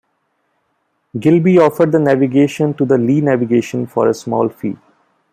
Gilbey offered the Navigation to the Lee Navigation for a small fee.